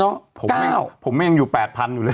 เนอะเก้าผมไม่ยังอยู่แปดพันอยู่เลย